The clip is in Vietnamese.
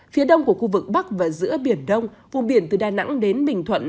phía đông của khu vực bắc và giữa biển đông vùng biển từ đà nẵng đến bình thuận